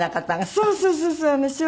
そうそうそうそう。